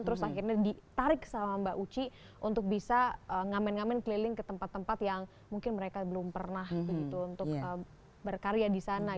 terus akhirnya ditarik sama mbak uci untuk bisa ngamen ngamen keliling ke tempat tempat yang mungkin mereka belum pernah untuk berkarya di sana